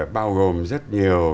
bao gồm rất nhiều